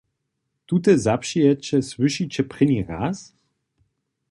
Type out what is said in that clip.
Tute zapřijeće słyšiće prěni raz?